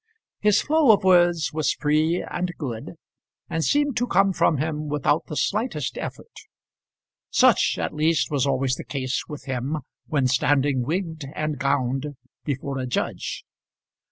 His flow of words was free and good, and seemed to come from him without the slightest effort. Such at least was always the case with him when standing wigged and gowned before a judge.